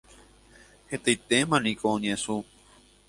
Hetaitémaniko oñesũ.